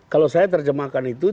kalau saya terjemahkan itu